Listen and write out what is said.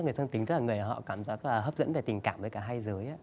người song tính tức là người họ cảm giác hấp dẫn về tình cảm với cả hai giới